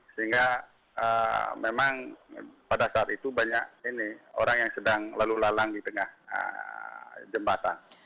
sehingga memang pada saat itu banyak ini orang yang sedang lalu lalang di tengah jembatan